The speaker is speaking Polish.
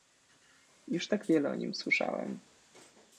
"Już tak wiele o nim słyszałem."